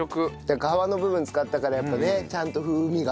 皮の部分使ったからやっぱねちゃんと風味が。